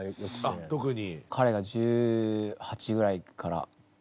あっ特に。